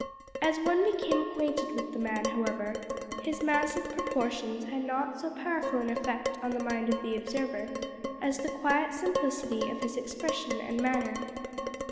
As one became acquainted with the man, however, his massive proportions had not so powerful an effect on the mind of an observer as the quiet simplicity of his expression and manner.